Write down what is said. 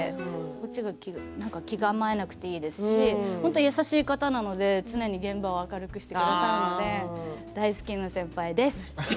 こっちが気構えなくていいですし本当に優しい方なので常に現場を明るくしてくださるので大好きな先輩です。